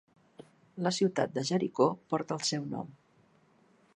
La ciutat de Jericó porta el seu nom.